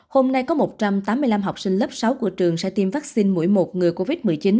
hôm nay có một trăm tám mươi năm học sinh lớp sáu của trường sẽ tiêm vaccine mũi một người covid một mươi chín